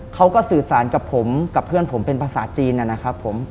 เขาก็สื่อสารกับผมกับเพื่อนผมเป็นภาษาจีนนะครับผม